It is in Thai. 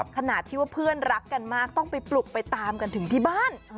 ขนาดที่ว่าเพื่อนรักกันมากต้องไปปลุกไปตามกันถึงที่บ้าน